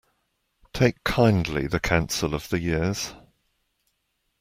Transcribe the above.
Take kindly the counsel of the years